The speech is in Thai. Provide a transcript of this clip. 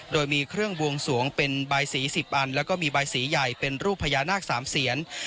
โดยมีเครื่องบวงสวงเป็นใบสี๑๐อันแล้วก็มีใบสีใหญ่เป็นรูปพญานาค๓เสียน